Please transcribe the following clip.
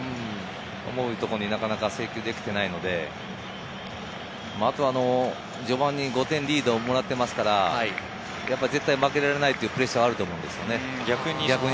思うところに制球できていないので、あとは序盤に５点リードをもらってますから、絶対負けられないプレッシャーはあると思いますね。